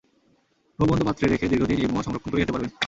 মুখবন্ধ পাত্রে রেখে দীর্ঘদিন এই মোয়া সংরক্ষণ করে খেতে পারবেন।